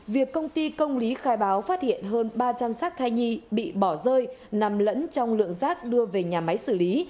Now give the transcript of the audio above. việc công ty công lý khai báo phát hiện hơn ba trăm linh xác thai nhi bị bỏ rơi nằm lẫn trong lượng rác đưa về nhà máy xử lý